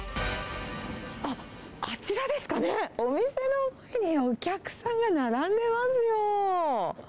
あっ、あちらですかね、お店の前にお客さんが並んでますよ。